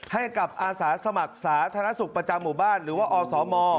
ให้กับอาสาสมัครสาธารณสุขประจำหมู่บ้านหรือว่าอสม